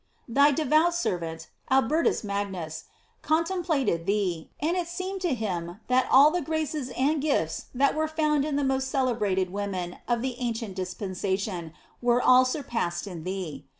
Thy de vout servant, Albertus Magnus, contemplated thee, and it seemed to him that all the graces and gifts that were found in the most celebrated women of the ancient dispensation were all sur passed in thee.